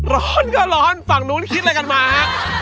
ร้อนก็ร้อนฝั่งนู้นคิดอะไรกันมาฮะ